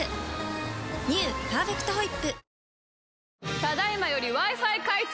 「パーフェクトホイップ」